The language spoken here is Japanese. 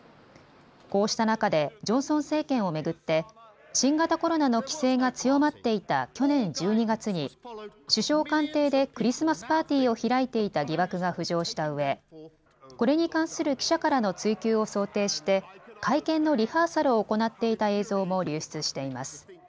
こうした中でジョンソン政権を巡って新型コロナの規制が強まっていた去年１２月に首相官邸でクリスマスパーティーを開いていた疑惑が浮上したうえこれに関する記者からの追及を想定して会見のリハーサルを行っていた映像も流出しています。